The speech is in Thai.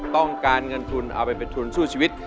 ต้องการเงินทุนเอาไปเป็นทุนสู้ชีวิต